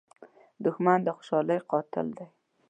دښمن د خوشحالۍ قاتل دی